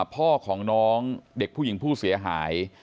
พ่อของน้องเด็กผู้หญิงผู้เสียหาย